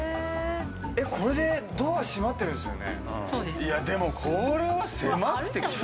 これでドア閉まっているんですよね？